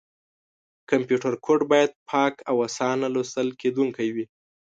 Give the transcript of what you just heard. کمپیوټر کوډ باید پاک او اسانه لوستل کېدونکی وي.